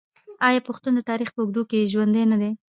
آیا پښتون د تاریخ په اوږدو کې ژوندی نه دی؟